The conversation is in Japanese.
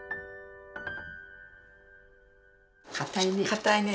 かたいね。